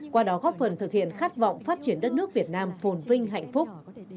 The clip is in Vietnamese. qua đó góp phần thực hiện khát vọng phát triển đất nước việt nam phồn vinh hạnh phúc